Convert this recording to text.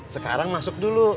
sekarang masuk dulu